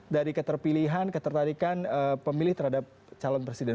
dari keterpilihan ketertarikan pemilih terhadap calon presiden